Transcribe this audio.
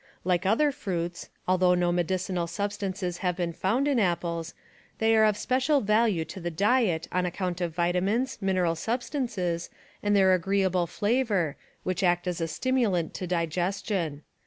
Like other fruits, although no medicinal substances have been found in apples, they are of special value in the diet on account of vitamins, mineral substances, and their agreeable flavor, which act as a stimulant to digestion.